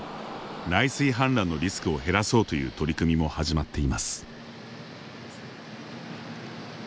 内水氾濫のリスクを減らそうという取り組みも始まっています。